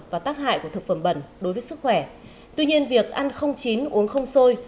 và tác hại của thực phẩm bẩn đối với sức khỏe tuy nhiên việc ăn không chín uống không sôi